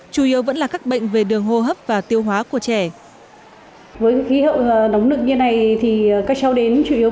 chủ yếu vẫn là các bệnh về đường hô hấp và tiêu hóa của trẻ